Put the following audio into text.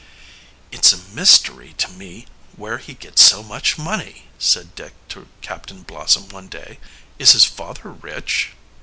"It's a mystery to me where he gets so much money," said Dick to Captain Blossom one day, "Is his father rich?"